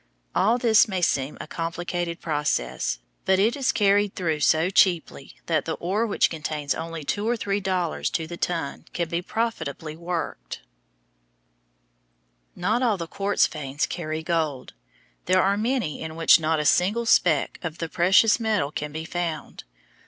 All this may seem a complicated process, but it is carried through so cheaply that the ore which contains only two or three dollars to the ton can be profitably worked. [Illustration: FIG. 104. MINING THE GRAVEL OF AN OLD RIVER BED] Not all quartz veins carry gold. There are many in which not a single speck of the precious metal can be found.